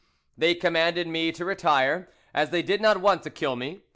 "They commanded me to retire, as they did not want to kill me.